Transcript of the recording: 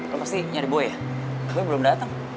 lo pasti nyari boy ya boy belum dateng